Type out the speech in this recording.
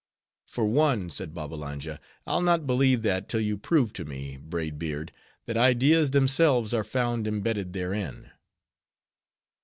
"For one," said Babbalanja, "I'll not believe that, till you prove to me, Braid Beard, that ideas themselves are found imbedded therein."